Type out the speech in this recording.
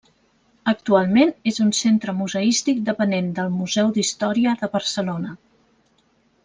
Actualment és un centre museístic depenent del Museu d'Història de Barcelona.